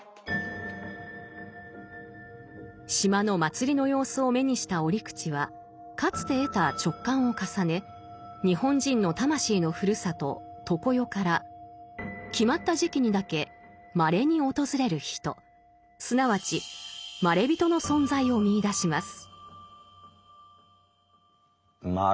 島の祭りの様子を目にした折口はかつて得た直観を重ね日本人の魂のふるさと「常世」から決まった時期にだけすなわち「まれびと」の存在を見いだします。